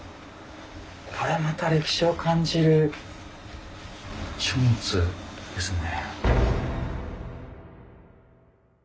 これまた歴史を感じる書物ですね。